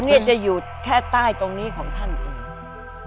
เราจะอยู่แท่ต้ายตรงนี้ของท่านอื่น